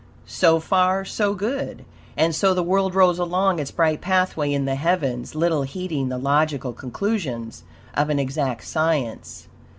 So far, so good. And so the world rolls along its bright pathway in the heavens, little heeding the logical conclusions of an exact science.